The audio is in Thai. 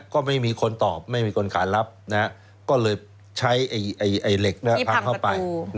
ก็ไม่มีคนตอบไม่มีคนขานรับก็เลยใช้เหล็กพังเข้าไป